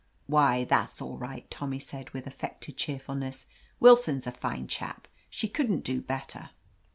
"Why, that's all right," Tommy said with affected cheerfulness. "Willson's a fine chap — she couldn't do better."